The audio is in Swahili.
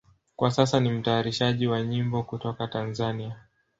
Kwa sasa ni mtayarishaji wa nyimbo kutoka Tanzania.